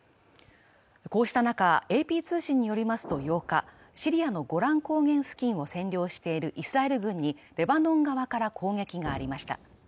こうした中、ＡＰ通信によりますと８日シリアのゴラン高原付近を占領しているイスラエル軍にレバノン側から攻撃がありました。